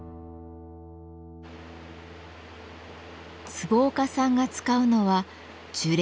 坪岡さんが使うのは樹齢